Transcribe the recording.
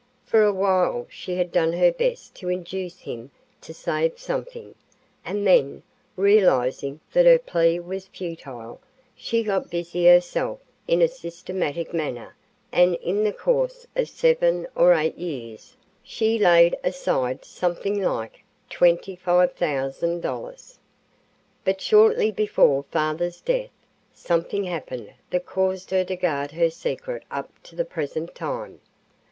For a while she had done her best to induce him to save something, and then, realizing that her plea was futile, she got busy herself in a systematic manner and in the course of seven or eight years she laid aside something like $25,000. "But shortly before father's death something happened that caused her to guard her secret up to the present time.